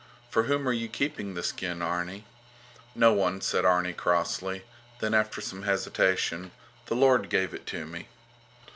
For whom are you keeping the skin, Arni? No one, said Arni, crossly; then after some hesitation: The Lord gave it to me.